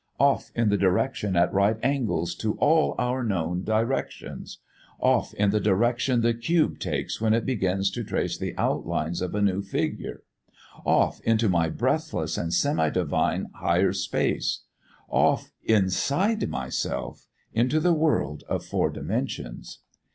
Off in the direction at right angles to all our known directions! Off in the direction the cube takes when it begins to trace the outlines of the new figure! Off into my breathless and semi divine Higher Space! Off, inside myself, into the world of four dimensions!"